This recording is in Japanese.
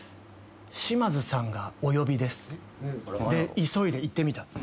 「島津さんがお呼びです」で急いで行ってみた。